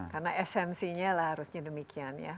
karena esensinya lah harusnya demikian ya